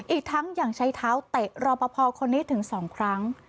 อีกทั้งยังใช้เท้าเตะรอปภคนนี้ถึง๒ครั้ง